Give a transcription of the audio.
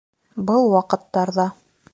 Был ваҡыттарҙа